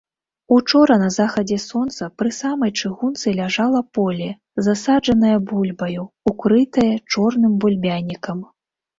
Учора на захадзе сонца пры самай чыгунцы ляжала поле, засаджанае бульбаю, укрытае чорным бульбянікам.